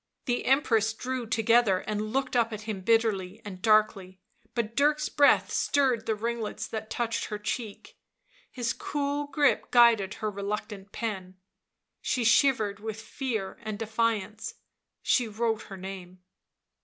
The Empress drew together and looked up at him bitterly and darkly, but Dirk's breath stirred the ringlets that touched her cheek, his cool grip guided her reluctant pen; she shivered with fear and defiance ; she wrote her name.